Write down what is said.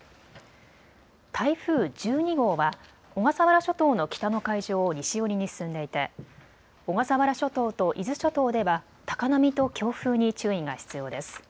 台風１２号は小笠原諸島の北の海上を西寄りに進んでいて小笠原諸島と伊豆諸島では高波と強風に注意が必要です。